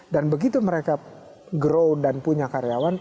dan begitu mereka grow dan punya karyawan